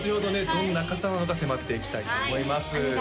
どんな方なのか迫っていきたいと思います